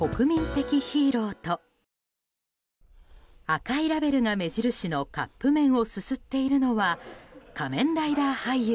赤いラベルが目印のカップ麺をすすっているのは「仮面ライダー」俳優。